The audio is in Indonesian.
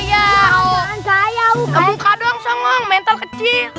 iya saya mau kebuka doang soongong mental kecil